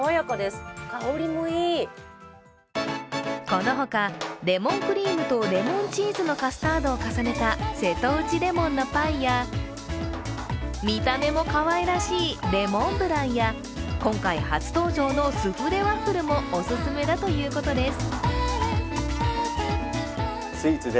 このほか、レモンクリームとレモンチーズのカスタードを重ねた瀬戸内レモンのパイや、見た目もかわいらしいレモンブランや今回初登場のスフレワッフルもお勧めだということです。